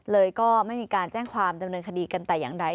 ก็ไม่มีการแจ้งความดำเนินคดีกันแต่อย่างใด